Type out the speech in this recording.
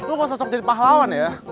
lo kok cocok jadi pahlawan ya